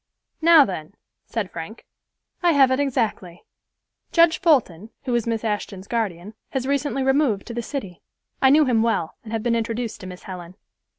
"Now then," said Frank. "I have it exactly. Judge Fulton, who is Miss Ashton's guardian, has recently removed to the city. I know him well, and have been introduced to Miss Helen.